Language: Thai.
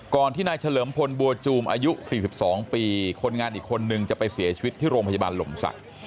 ที่นายเฉลิมพลบัวจูมอายุ๔๒ปีคนงานอีกคนนึงจะไปเสียชีวิตที่โรงพยาบาลหลมศักดิ์